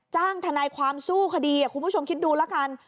ทนายความสู้คดีคุณผู้ชมคิดดูแล้วกัน